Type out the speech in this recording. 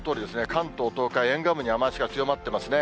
関東、東海沿岸部に雨足が強まってますね。